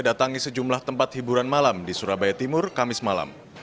datangi sejumlah tempat hiburan malam di surabaya timur kamis malam